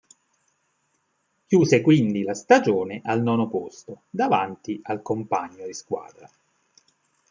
Chiuse quindi la stagione al nono posto, davanti al compagno di squadra.